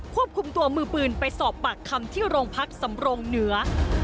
ควบคุมตัวมือปืนไปสอบปากคำที่โรงพักสำรงเหนือ